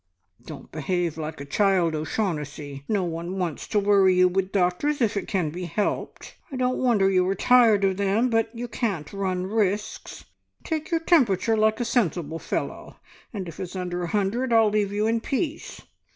"Don't behave like a child, O'Shaughnessy. No one wants to worry you with doctors if it can be helped. I don't wonder you are tired of them, but you can't run risks. Take your temperature like a sensible fellow, and if it's under a hundred, I'll leave you in peace.